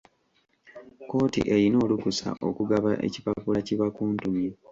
Kkooti eyina olukusa okugaba ekipapula ki bakuntumye.